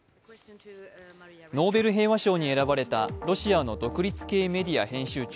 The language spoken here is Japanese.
ノーベル平和賞に選ばれたロシアの独立系メディア編集長